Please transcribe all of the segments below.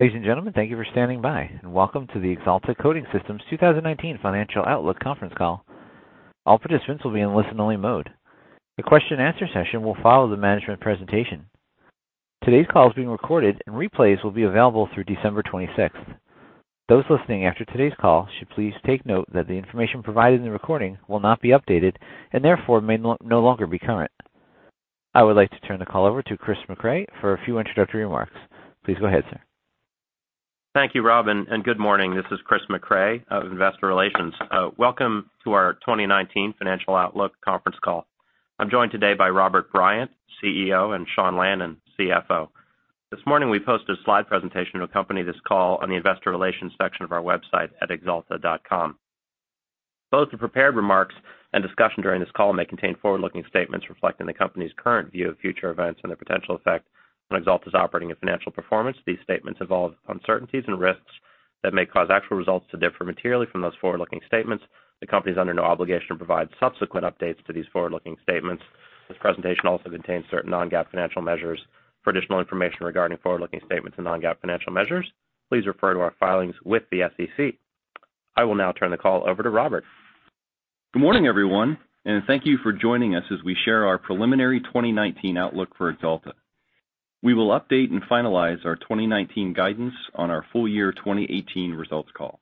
Ladies and gentlemen, thank you for standing by, welcome to the Axalta Coating Systems 2019 Financial Outlook Conference Call. All participants will be in listen only mode. The question answer session will follow the management presentation. Today's call is being recorded and replays will be available through December 26th. Those listening after today's call should please take note that the information provided in the recording will not be updated and therefore may no longer be current. I would like to turn the call over to Christopher Mecray for a few introductory remarks. Please go ahead, sir. Thank you, Rob, and good morning. This is Christopher Mecray of Investor Relations. Welcome to our 2019 Financial Outlook conference call. I'm joined today by Robert Bryant, CEO, and Sean Lannon, CFO. This morning we posted a slide presentation to accompany this call on the investor relations section of our website at axalta.com. Both the prepared remarks and discussion during this call may contain forward-looking statements reflecting the company's current view of future events and their potential effect on Axalta's operating and financial performance. These statements involve uncertainties and risks that may cause actual results to differ materially from those forward-looking statements. The company is under no obligation to provide subsequent updates to these forward-looking statements. This presentation also contains certain non-GAAP financial measures. For additional information regarding forward-looking statements and non-GAAP financial measures, please refer to our filings with the SEC. I will now turn the call over to Robert. Good morning, everyone, and thank you for joining us as we share our preliminary 2019 outlook for Axalta. We will update and finalize our 2019 guidance on our full year 2018 results call.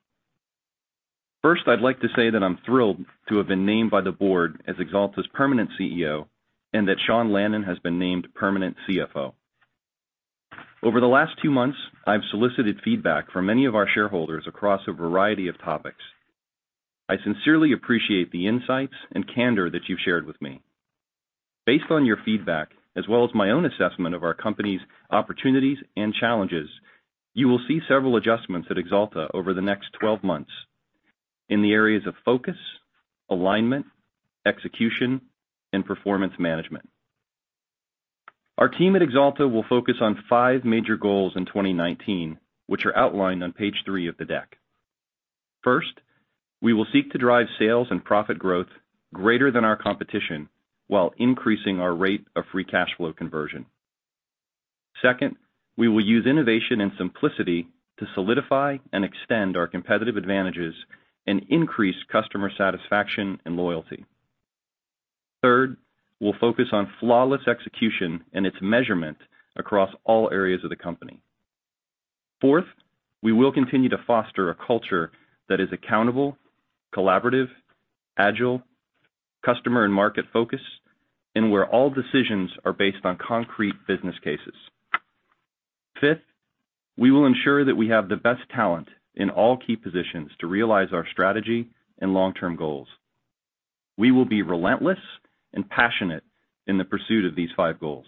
First, I'd like to say that I'm thrilled to have been named by the board as Axalta's permanent CEO and that Sean Lannon has been named permanent CFO. Over the last two months, I've solicited feedback from many of our shareholders across a variety of topics. I sincerely appreciate the insights and candor that you've shared with me. Based on your feedback, as well as my own assessment of our company's opportunities and challenges, you will see several adjustments at Axalta over the next 12 months in the areas of focus, alignment, execution, and performance management. Our team at Axalta will focus on five major goals in 2019, which are outlined on page three of the deck. First, we will seek to drive sales and profit growth greater than our competition while increasing our rate of free cash flow conversion. Second, we will use innovation and simplicity to solidify and extend our competitive advantages and increase customer satisfaction and loyalty. Third, we'll focus on flawless execution and its measurement across all areas of the company. Fourth, we will continue to foster a culture that is accountable, collaborative, agile, customer and market-focused, and where all decisions are based on concrete business cases. Fifth, we will ensure that we have the best talent in all key positions to realize our strategy and long-term goals. We will be relentless and passionate in the pursuit of these five goals.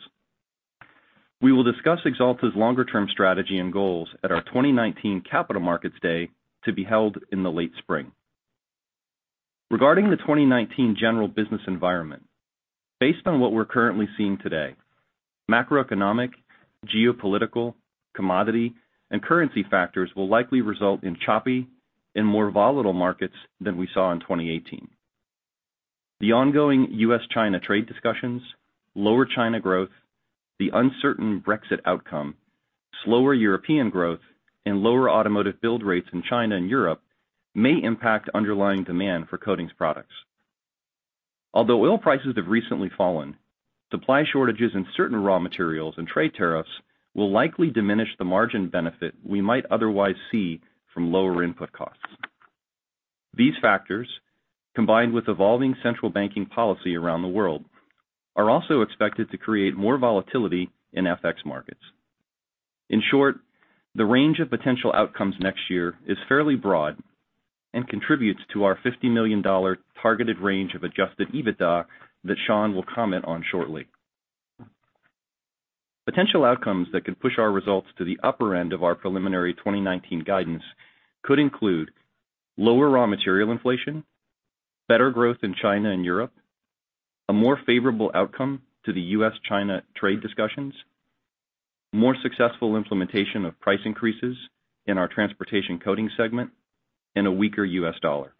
We will discuss Axalta's longer term strategy and goals at our 2019 Capital Markets day to be held in the late spring. Regarding the 2019 general business environment, based on what we're currently seeing today, macroeconomic, geopolitical, commodity, and currency factors will likely result in choppy and more volatile markets than we saw in 2018. The ongoing U.S.-China trade discussions, lower China growth, the uncertain Brexit outcome, slower European growth, and lower automotive build rates in China and Europe may impact underlying demand for coatings products. Although oil prices have recently fallen, supply shortages in certain raw materials and trade tariffs will likely diminish the margin benefit we might otherwise see from lower input costs. These factors, combined with evolving central banking policy around the world, are also expected to create more volatility in FX markets. In short, the range of potential outcomes next year is fairly broad and contributes to our $50 million targeted range of Adjusted EBITDA that Sean will comment on shortly. Potential outcomes that could push our results to the upper end of our preliminary 2019 guidance could include lower raw material inflation, better growth in China and Europe, a more favorable outcome to the U.S.-China trade discussions, more successful implementation of price increases in our transportation coating segment, and a weaker U.S. dollar.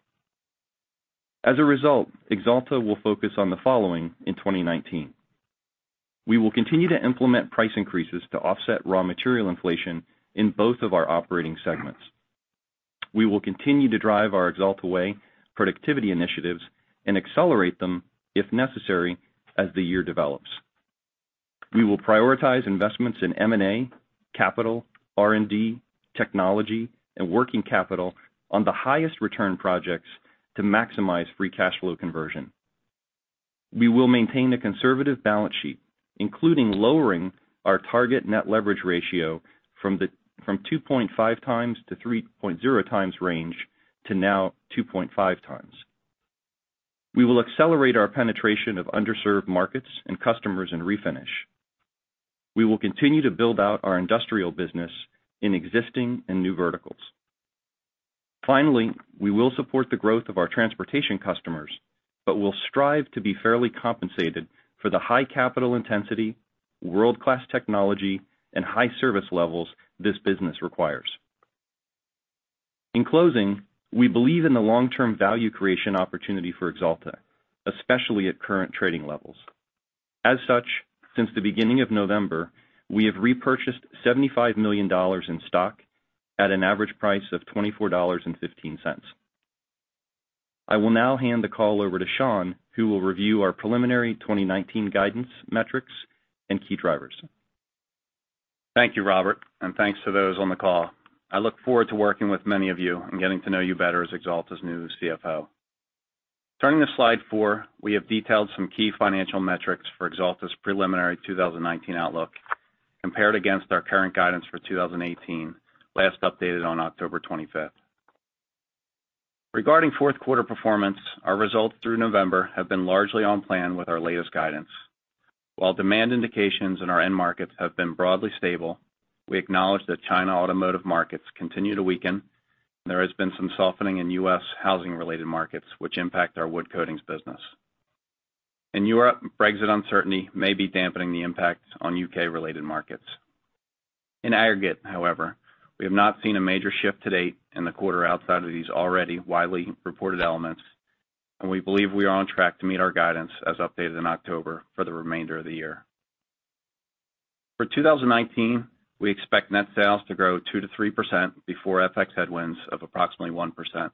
As a result, Axalta will focus on the following in 2019. We will continue to implement price increases to offset raw material inflation in both of our operating segments. We will continue to drive our Axalta Way productivity initiatives and accelerate them if necessary as the year develops. We will prioritize investments in M&A, capital, R&D, technology, and working capital on the highest return projects to maximize free cash flow conversion. We will maintain a conservative balance sheet, including lowering our target net leverage ratio from 2.5 times to 3.0 times range to now 2.5 times. We will accelerate our penetration of underserved markets and customers in Refinish. We will continue to build out our industrial business in existing and new verticals. Finally, we will support the growth of our transportation customers, but will strive to be fairly compensated for the high capital intensity, world-class technology, and high service levels this business requires. In closing, we believe in the long-term value creation opportunity for Axalta, especially at current trading levels. As such, since the beginning of November, we have repurchased $75 million in stock at an average price of $24.15. I will now hand the call over to Sean, who will review our preliminary 2019 guidance metrics and key drivers. Thank you, Robert, and thanks to those on the call. I look forward to working with many of you and getting to know you better as Axalta's new CFO. Turning to slide four, we have detailed some key financial metrics for Axalta's preliminary 2019 outlook compared against our current guidance for 2018, last updated on October 25th. Regarding fourth quarter performance, our results through November have been largely on plan with our latest guidance. While demand indications in our end markets have been broadly stable, we acknowledge that China automotive markets continue to weaken, and there has been some softening in U.S. housing-related markets which impact our wood coatings business. In Europe, Brexit uncertainty may be dampening the impact on U.K.-related markets. In aggregate, however, we have not seen a major shift to date in the quarter outside of these already widely reported elements, and we believe we are on track to meet our guidance as updated in October for the remainder of the year. For 2019, we expect net sales to grow 2%-3% before FX headwinds of approximately 1%.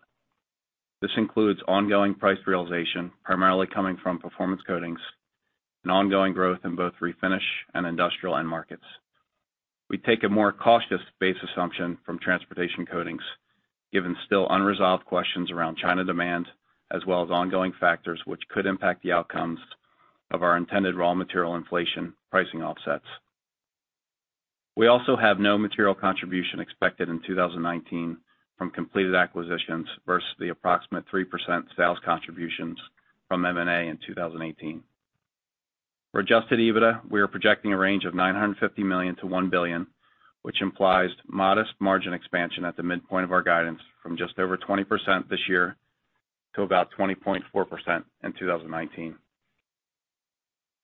This includes ongoing price realization, primarily coming from Performance Coatings and ongoing growth in both Refinish and industrial end markets. We take a more cautious base assumption from Transportation Coatings, given still unresolved questions around China demand, as well as ongoing factors which could impact the outcomes of our intended raw material inflation pricing offsets. We also have no material contribution expected in 2019 from completed acquisitions versus the approximate 3% sales contributions from M&A in 2018. For Adjusted EBITDA, we are projecting a range of $950 million-$1 billion, which implies modest margin expansion at the midpoint of our guidance from just over 20% this year to about 20.4% in 2019.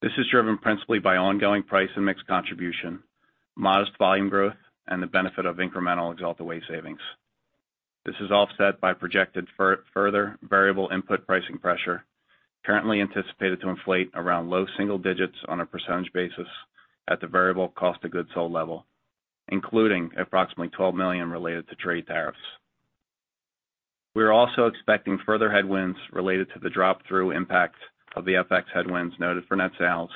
This is driven principally by ongoing price and mix contribution, modest volume growth, and the benefit of incremental Axalta Way savings. This is offset by projected further variable input pricing pressure, currently anticipated to inflate around low single digits on a percentage basis at the variable cost of goods sold level, including approximately $12 million related to trade tariffs. We are also expecting further headwinds related to the drop through impact of the FX headwinds noted for net sales,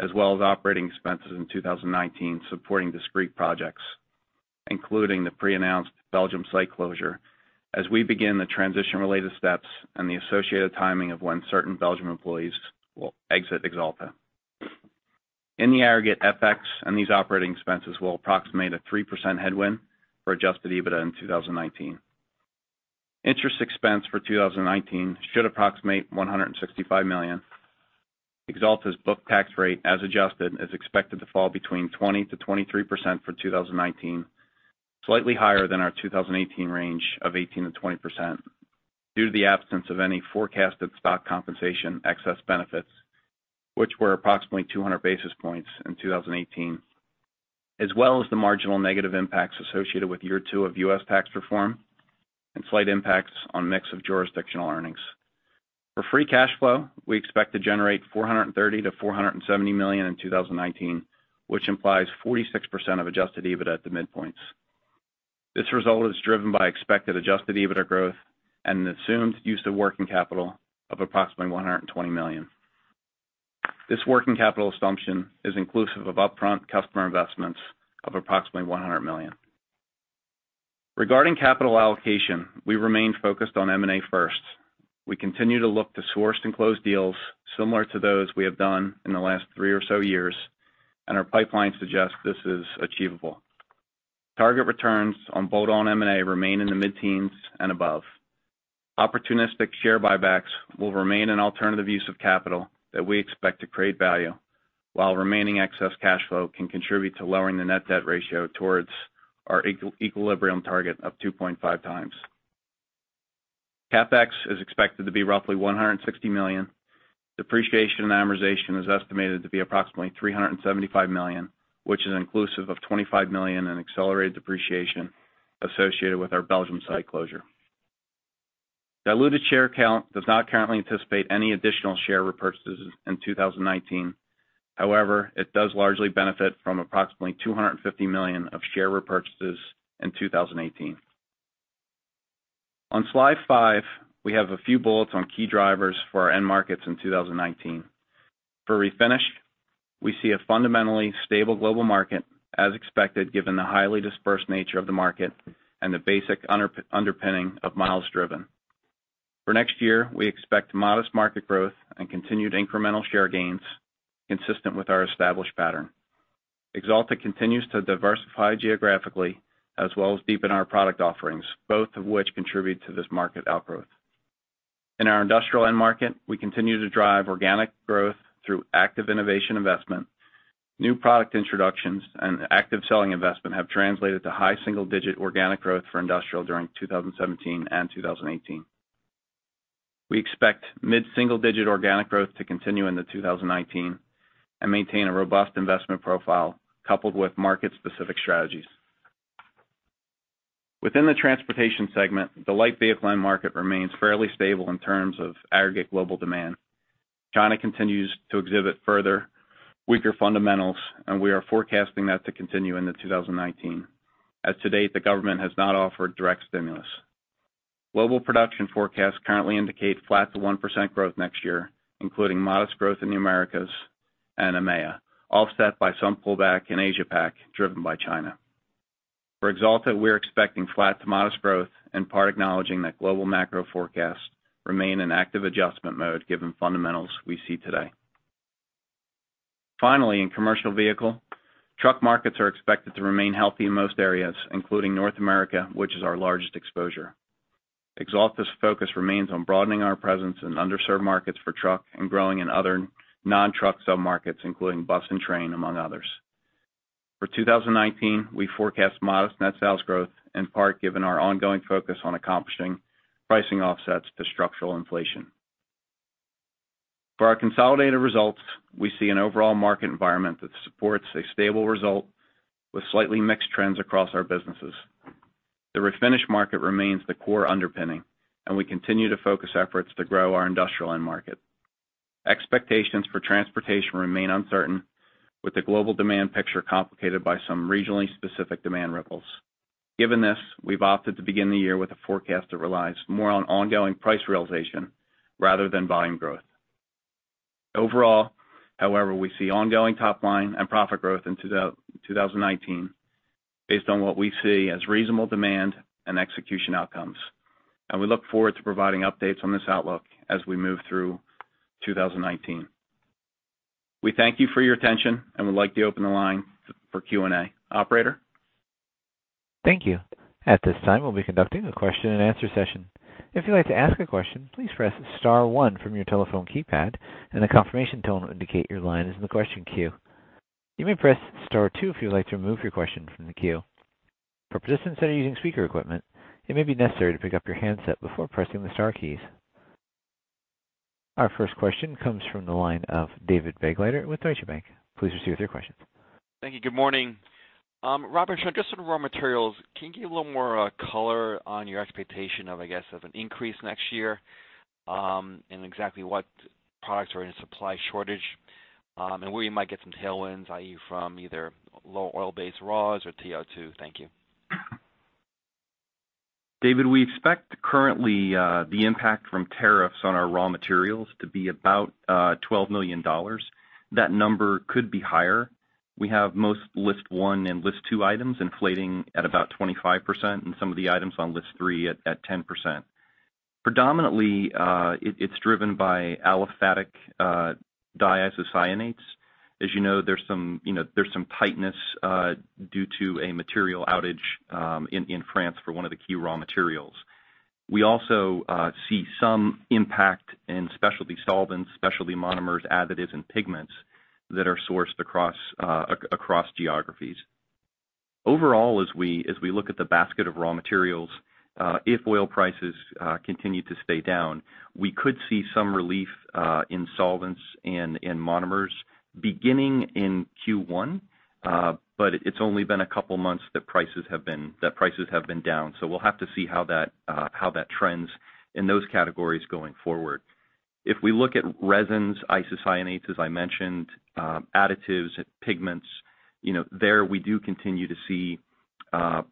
as well as operating expenses in 2019 supporting discrete projects, including the pre-announced Belgium site closure as we begin the transition-related steps and the associated timing of when certain Belgium employees will exit Axalta. In the aggregate, FX and these operating expenses will approximate a 3% headwind for Adjusted EBITDA in 2019. Interest expense for 2019 should approximate $165 million. Axalta's book tax rate, as adjusted, is expected to fall between 20%-23% for 2019, slightly higher than our 2018 range of 18%-20% due to the absence of any forecasted stock compensation excess benefits, which were approximately 200 basis points in 2018, as well as the marginal negative impacts associated with year two of U.S. tax reform and slight impacts on mix of jurisdictional earnings. For free cash flow, we expect to generate $430 million-$470 million in 2019, which implies 46% of Adjusted EBITDA at the midpoints. This result is driven by expected Adjusted EBITDA growth and an assumed use of working capital of approximately $120 million. This working capital assumption is inclusive of upfront customer investments of approximately $100 million. Regarding capital allocation, we remain focused on M&A first. We continue to look to source and close deals similar to those we have done in the last three or so years, and our pipeline suggests this is achievable. Target returns on bolt-on M&A remain in the mid-teens and above. Opportunistic share buybacks will remain an alternative use of capital that we expect to create value, while remaining excess cash flow can contribute to lowering the net debt ratio towards our equilibrium target of 2.5 times. CapEx is expected to be roughly $160 million. Depreciation and amortization is estimated to be approximately $375 million, which is inclusive of $25 million in accelerated depreciation associated with our Belgium site closure. Diluted share count does not currently anticipate any additional share repurchases in 2019. However, it does largely benefit from approximately $250 million of share repurchases in 2018. On slide five, we have a few bullets on key drivers for our end markets in 2019. For Refinish, we see a fundamentally stable global market, as expected, given the highly dispersed nature of the market and the basic underpinning of miles driven. For next year, we expect modest market growth and continued incremental share gains consistent with our established pattern. Axalta continues to diversify geographically as well as deepen our product offerings, both of which contribute to this market outgrowth. In our industrial end market, we continue to drive organic growth through active innovation investment. New product introductions and active selling investment have translated to high single-digit organic growth for industrial during 2017 and 2018. We expect mid-single-digit organic growth to continue into 2019, and maintain a robust investment profile coupled with market-specific strategies. Within the transportation segment, the light vehicle end market remains fairly stable in terms of aggregate global demand. China continues to exhibit further weaker fundamentals. We are forecasting that to continue into 2019, as to date, the government has not offered direct stimulus. Global production forecasts currently indicate flat to 1% growth next year, including modest growth in the Americas and EMEA, offset by some pullback in Asia PAC, driven by China. For Axalta, we're expecting flat to modest growth, in part acknowledging that global macro forecasts remain in active adjustment mode given fundamentals we see today. Finally, in commercial vehicle, truck markets are expected to remain healthy in most areas, including North America, which is our largest exposure. Axalta's focus remains on broadening our presence in underserved markets for truck and growing in other non-truck submarkets, including bus and train, among others. For 2019, we forecast modest net sales growth, in part given our ongoing focus on accomplishing pricing offsets to structural inflation. For our consolidated results, we see an overall market environment that supports a stable result with slightly mixed trends across our businesses. The Refinish market remains the core underpinning. We continue to focus efforts to grow our industrial end market. Expectations for transportation remain uncertain, with the global demand picture complicated by some regionally specific demand ripples. Given this, we've opted to begin the year with a forecast that relies more on ongoing price realization rather than volume growth. Overall, however, we see ongoing top line and profit growth in 2019 based on what we see as reasonable demand and execution outcomes. We look forward to providing updates on this outlook as we move through 2019. We thank you for your attention and would like to open the line up for Q&A. Operator? Thank you. At this time, we'll be conducting a question and answer session. If you'd like to ask a question, please press star one from your telephone keypad, and a confirmation tone will indicate your line is in the question queue. You may press star two if you'd like to remove your question from the queue. For participants that are using speaker equipment, it may be necessary to pick up your handset before pressing the star keys. Our first question comes from the line of David Begleiter with Deutsche Bank. Please proceed with your questions. Thank you. Good morning. Robert, just on raw materials, can you give a little more color on your expectation of, I guess, an increase next year, and exactly what products are in supply shortage, and where you might get some tailwinds, i.e., from either low oil-based raws or TiO2? Thank you. David, we expect currently the impact from tariffs on our raw materials to be about $12 million. That number could be higher. We have most list one and list two items inflating at about 25%, and some of the items on list three at 10%. Predominantly, it's driven by aliphatic diisocyanates. As you know, there's some tightness due to a material outage in France for one of the key raw materials. We also see some impact in specialty solvents, specialty monomers, additives, and pigments that are sourced across geographies. Overall, as we look at the basket of raw materials, if oil prices continue to stay down, we could see some relief in solvents and in monomers beginning in Q1. It's only been a couple of months that prices have been down. We'll have to see how that trends in those categories going forward. If we look at resins, isocyanates, as I mentioned, additives, pigments, there we do continue to see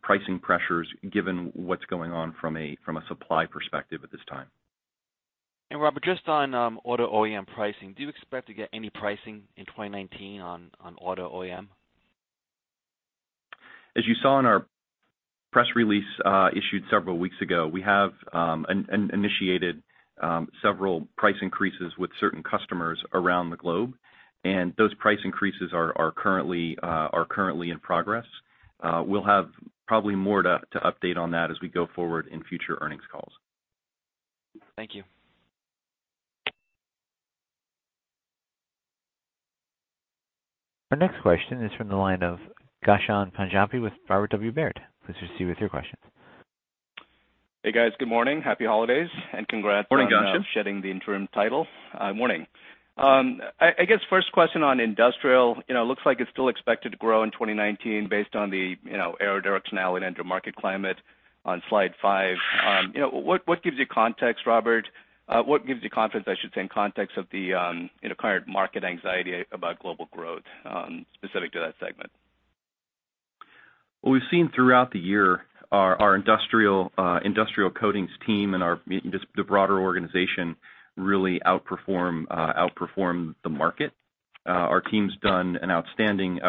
pricing pressures given what's going on from a supply perspective at this time. Robert, just on auto OEM pricing, do you expect to get any pricing in 2019 on auto OEM? As you saw in our press release issued several weeks ago, we have initiated several price increases with certain customers around the globe, those price increases are currently in progress. We'll have probably more to update on that as we go forward in future earnings calls. Thank you. Our next question is from the line of Ghansham Panjabi with Robert W. Baird. Please proceed with your questions. Hey, guys. Good morning. Happy holidays, and congrats- Morning, Ghansham on shedding the interim title. Morning. I guess first question on Industrial. It looks like it's still expected to grow in 2019 based on the aeroderivational and end market climate on slide five. What gives you confidence, I should say, in context of the current market anxiety about global growth specific to that segment? What we've seen throughout the year, our Industrial Coatings team and the broader organization really outperformed the market. Our team's done an outstanding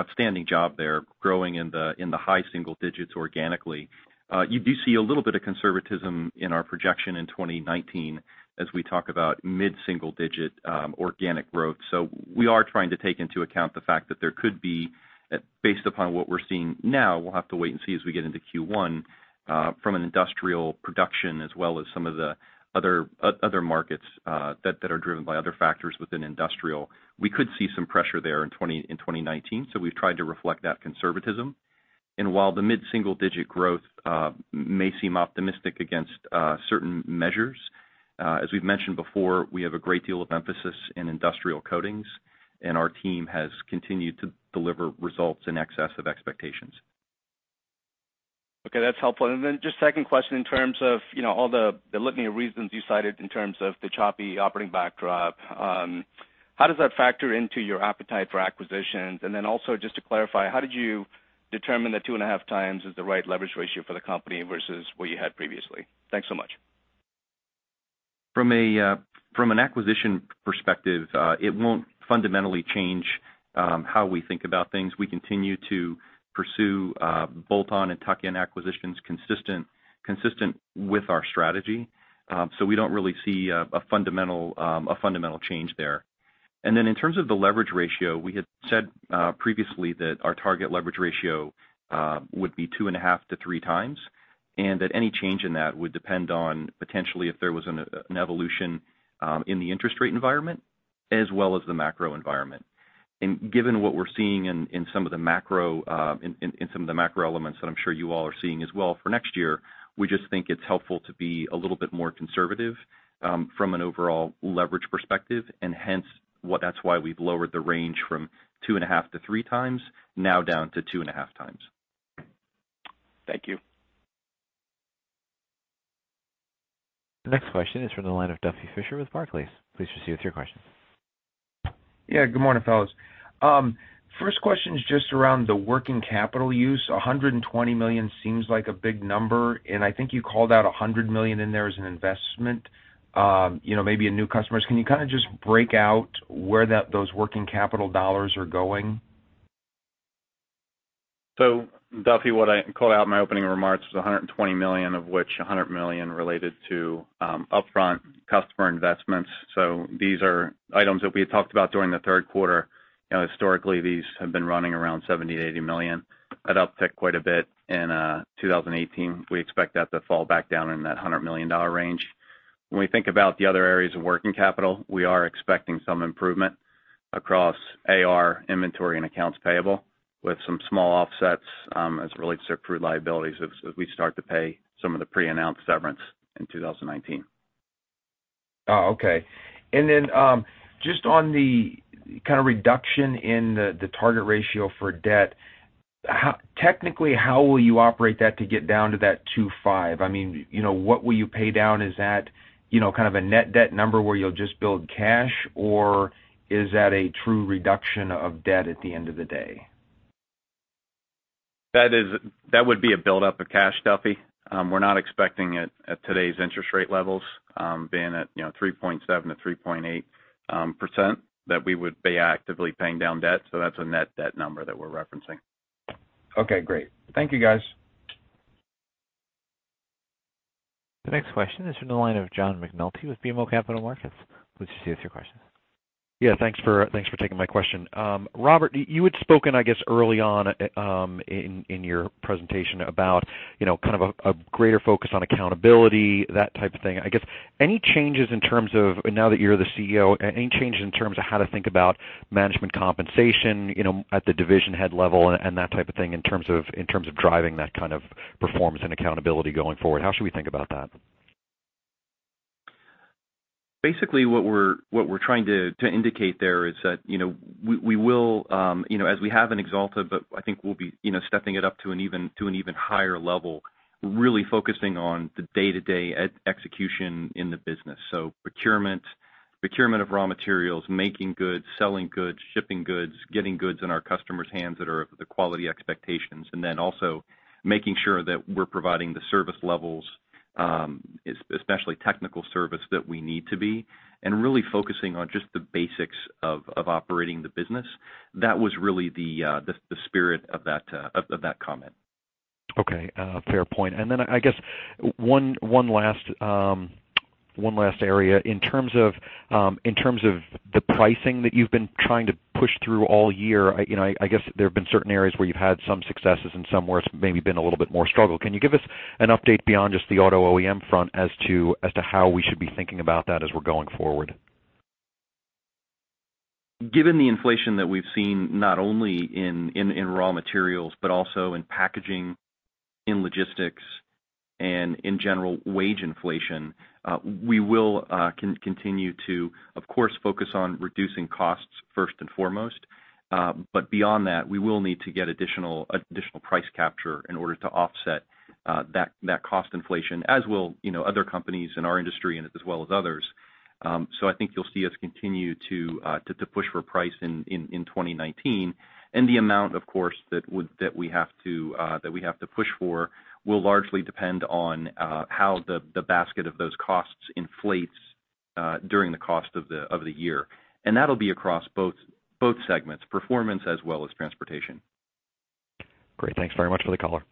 job there, growing in the high single digits organically. You do see a little bit of conservatism in our projection in 2019 as we talk about mid-single digit organic growth. We are trying to take into account the fact that there could be, based upon what we're seeing now, we'll have to wait and see as we get into Q1 from an industrial production as well as some of the other markets that are driven by other factors within industrial. We could see some pressure there in 2019, we've tried to reflect that conservatism While the mid-single-digit growth may seem optimistic against certain measures, as we've mentioned before, we have a great deal of emphasis in Industrial Coatings, our team has continued to deliver results in excess of expectations. Okay, that's helpful. Then just second question in terms of all the litany of reasons you cited in terms of the choppy operating backdrop, how does that factor into your appetite for acquisitions? Also, just to clarify, how did you determine that 2.5 times is the right leverage ratio for the company versus what you had previously? Thanks so much. From an acquisition perspective, it won't fundamentally change how we think about things. We continue to pursue bolt-on and tuck-in acquisitions consistent with our strategy. We don't really see a fundamental change there. In terms of the leverage ratio, we had said previously that our target leverage ratio would be 2.5-3 times, that any change in that would depend on potentially if there was an evolution in the interest rate environment as well as the macro environment. Given what we're seeing in some of the macro elements that I'm sure you all are seeing as well for next year, we just think it's helpful to be a little bit more conservative from an overall leverage perspective, hence, that's why we've lowered the range from 2.5-3 times now down to 2.5 times. Thank you. The next question is from the line of Duffy Fischer with Barclays. Please proceed with your question. Good morning, fellas. First question is just around the working capital use. $120 million seems like a big number, and I think you called out $100 million in there as an investment, maybe in new customers. Can you kind of just break out where those working capital dollars are going? Duffy, what I called out in my opening remarks was $120 million, of which $100 million related to upfront customer investments. These are items that we had talked about during Q3. Historically, these have been running around $70 million-$80 million. That uptick quite a bit in 2018. We expect that to fall back down in that $100 million range. When we think about the other areas of working capital, we are expecting some improvement across AR inventory and accounts payable with some small offsets as it relates to accrued liabilities as we start to pay some of the pre-announced severance in 2019. Oh, okay. Just on the kind of reduction in the target ratio for debt, technically, how will you operate that to get down to that 2.5? What will you pay down? Is that kind of a net debt number where you'll just build cash, or is that a true reduction of debt at the end of the day? That would be a buildup of cash, Duffy. We're not expecting it at today's interest rate levels being at 3.7%-3.8%, that we would be actively paying down debt. That's a net debt number that we're referencing. Okay, great. Thank you, guys. The next question is from the line of John McNulty with BMO Capital Markets. Please proceed with your question. Yeah, thanks for taking my question. Robert, you had spoken, I guess, early on in your presentation about kind of a greater focus on accountability, that type of thing. I guess any changes in terms of now that you're the CEO, any changes in terms of how to think about management compensation at the division head level and that type of thing in terms of driving that kind of Performance and accountability going forward? How should we think about that? Basically, what we're trying to indicate there is that we will, as we have in Axalta, but I think we'll be stepping it up to an even higher level, really focusing on the day-to-day execution in the business. Procurement of raw materials, making goods, selling goods, shipping goods, getting goods in our customers' hands that are of the quality expectations, and then also making sure that we're providing the service levels, especially technical service that we need to be, and really focusing on just the basics of operating the business. That was really the spirit of that comment. Okay, fair point. Then I guess one last area. In terms of the pricing that you've been trying to push through all year, I guess there have been certain areas where you've had some successes and some where it's maybe been a little bit more struggle. Can you give us an update beyond just the auto OEM front as to how we should be thinking about that as we're going forward? Given the inflation that we've seen, not only in raw materials, but also in packaging, in logistics, and in general wage inflation, we will continue to, of course, focus on reducing costs first and foremost. Beyond that, we will need to get additional price capture in order to offset that cost inflation, as will other companies in our industry and as well as others. I think you'll see us continue to push for price in 2019. The amount, of course, that we have to push for will largely depend on how the basket of those costs inflates during the cost of the year. That'll be across both segments, Performance as well as Transportation. Great. Thanks very much for the color.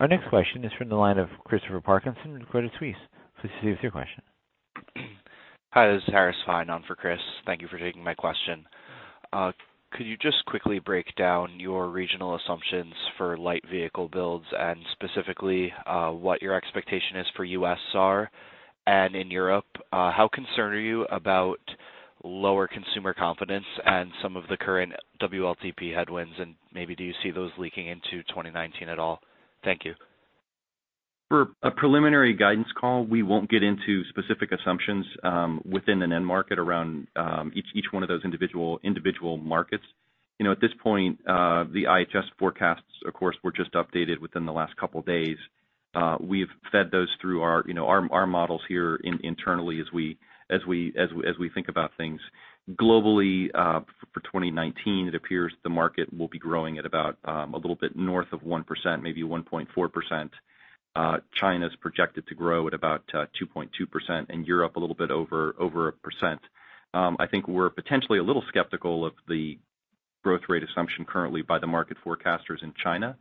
Our next question is from the line of Christopher Parkinson with Credit Suisse. Please proceed with your question. Hi, this is Harris Fein on for Chris. Thank you for taking my question. Could you just quickly break down your regional assumptions for light vehicle builds and specifically what your expectation is for U.S. SAAR? In Europe, how concerned are you about lower consumer confidence and some of the current WLTP headwinds, and maybe do you see those leaking into 2019 at all? Thank you. For a preliminary guidance call, we won't get into specific assumptions within an end market around each one of those individual markets. At this point, the IHS forecasts, of course, were just updated within the last couple of days. We've fed those through our models here internally as we think about things. Globally, for 2019, it appears the market will be growing at about a little bit north of 1%, maybe 1.4%. China's projected to grow at about 2.2%, and Europe a little bit over 1%. I think we're potentially a little skeptical of the growth rate assumption currently by the market forecasters in China,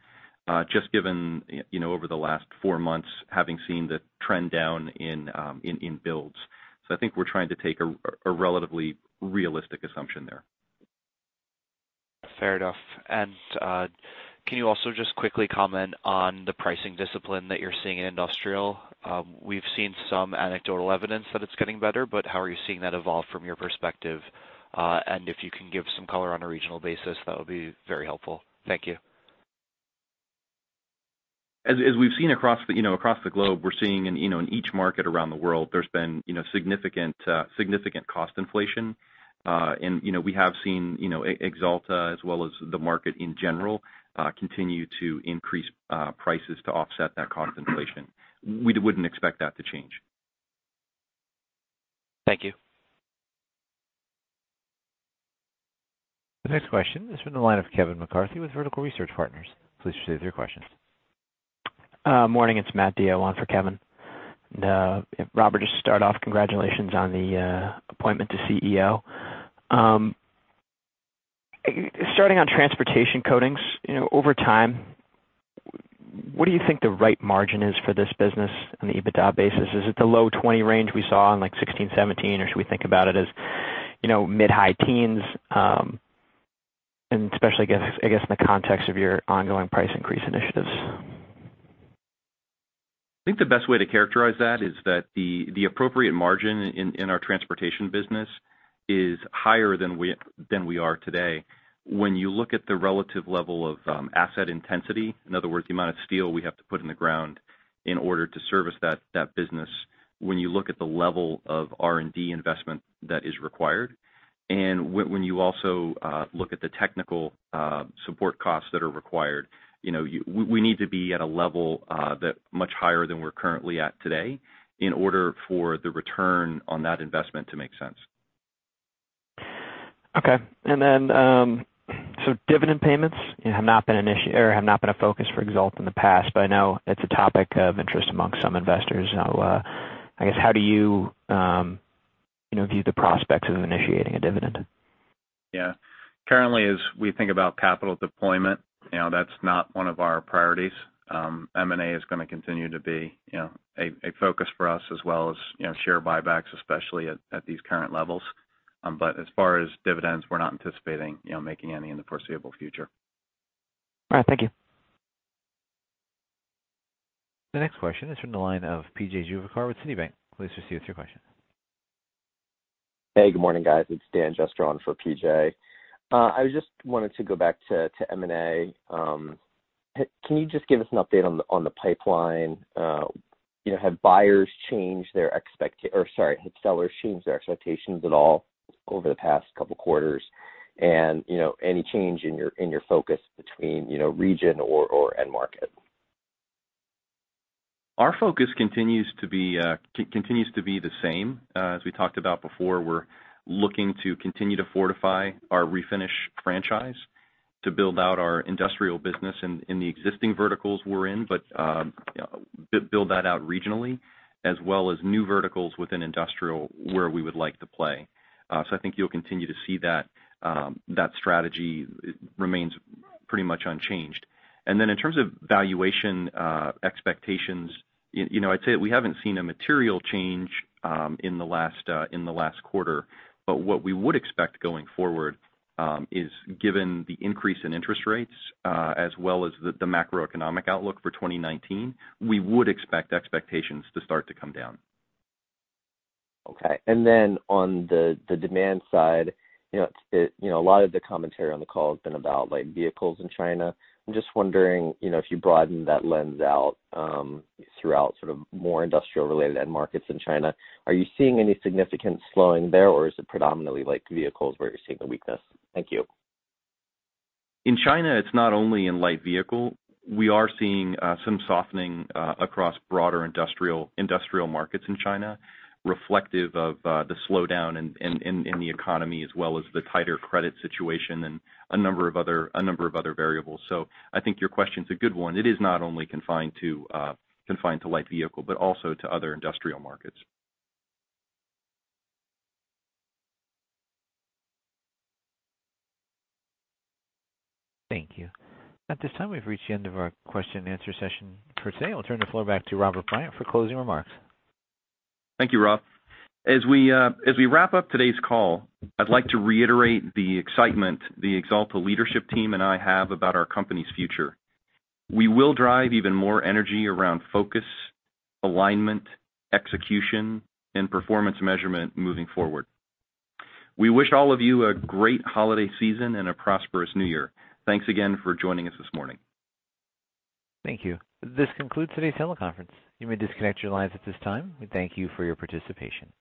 just given over the last four months, having seen the trend down in builds. I think we're trying to take a relatively realistic assumption there. Fair enough. Can you also just quickly comment on the pricing discipline that you're seeing in Industrial Coatings? We've seen some anecdotal evidence that it's getting better, but how are you seeing that evolve from your perspective? If you can give some color on a regional basis, that would be very helpful. Thank you. As we've seen across the globe, we're seeing in each market around the world, there's been significant cost inflation. We have seen Axalta as well as the market in general, continue to increase prices to offset that cost inflation. We wouldn't expect that to change. Thank you. The next question is from the line of Kevin McCarthy with Bank of America. Please proceed with your question. Morning, it's Matthew DeYoe on for Kevin. Robert, just to start off, congratulations on the appointment to CEO. Starting on Transportation Coatings, over time, what do you think the right margin is for this business on the EBITDA basis? Is it the low 20 range we saw in 2016, 2017, or should we think about it as mid high teens? Especially, I guess, in the context of your ongoing price increase initiatives. I think the best way to characterize that is that the appropriate margin in our transportation business is higher than we are today. When you look at the relative level of asset intensity, in other words, the amount of steel we have to put in the ground in order to service that business. When you look at the level of R&D investment that is required, and when you also look at the technical support costs that are required. We need to be at a level that much higher than we're currently at today in order for the return on that investment to make sense. Okay. Dividend payments have not been a focus for Axalta in the past, but I know it's a topic of interest amongst some investors. I guess, how do you view the prospects of initiating a dividend? Yeah. Currently, as we think about capital deployment, that's not one of our priorities. M&A is going to continue to be a focus for us as well as share buybacks, especially at these current levels. As far as dividends, we're not anticipating making any in the foreseeable future. All right. Thank you. The next question is from the line of P.J. Juvekar with Citi. Please proceed with your question. Hey, good morning, guys. It's Daniel Jester on for P.J. Juvekar I just wanted to go back to M&A. Can you just give us an update on the pipeline? Have sellers changed their expectations at all over the past couple of quarters? Any change in your focus between region or end market? Our focus continues to be the same. As we talked about before, we're looking to continue to fortify our Refinish franchise to build out our Industrial business in the existing verticals we're in. Build that out regionally, as well as new verticals within Industrial, where we would like to play. I think you'll continue to see that strategy remains pretty much unchanged. Then in terms of valuation expectations, I'd say we haven't seen a material change in the last quarter. What we would expect going forward is given the increase in interest rates as well as the macroeconomic outlook for 2019, we would expect expectations to start to come down. Okay. On the demand side, a lot of the commentary on the call has been about light vehicles in China. I'm just wondering if you broaden that lens out throughout more industrial-related end markets in China, are you seeing any significant slowing there, or is it predominantly light vehicles where you're seeing the weakness? Thank you. In China, it's not only in light vehicle. We are seeing some softening across broader industrial markets in China, reflective of the slowdown in the economy as well as the tighter credit situation and a number of other variables. I think your question's a good one. It is not only confined to light vehicle, but also to other industrial markets. Thank you. At this time, we've reached the end of our question-and answer session for today. I'll turn the floor back to Robert Bryant for closing remarks. Thank you, Rob. As we wrap up today's call, I'd like to reiterate the excitement the Axalta leadership team and I have about our company's future. We will drive even more energy around focus, alignment, execution, and performance measurement moving forward. We wish all of you a great holiday season and a prosperous new year. Thanks again for joining us this morning. Thank you. This concludes today's teleconference. You may disconnect your lines at this time. We thank you for your participation.